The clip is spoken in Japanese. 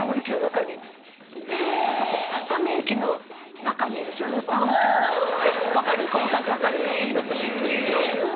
私『細雪』の中にいる女優さんの気分になった。